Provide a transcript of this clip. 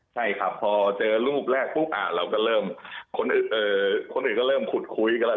ใช่ครับพอเจอรูปแรกปุ๊บเราก็เริ่มคนอื่นก็เริ่มขุดคุยกันแล้ว